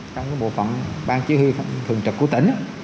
trong bộ phận ban chỉ huy thường trực của tỉnh